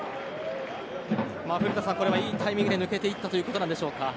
古田さん、これはいいタイミングで抜けていったということでしょうか。